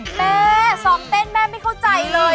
แม่ซ้อมเต้นแม่ไม่เข้าใจเลย